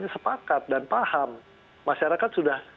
sepakat dan paham masyarakat sudah